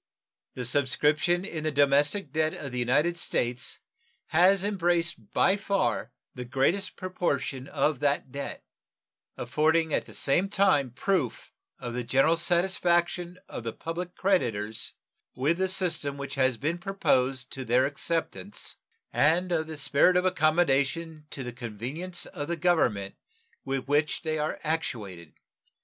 The subscription in the domestic debt of the United States has embraced by far the greatest proportion of that debt, affording at the same time proof of the general satisfaction of the public creditors with the system which has been proposed to their acceptance and of the spirit of accommodation to the convenience of the Government with which they are actuated.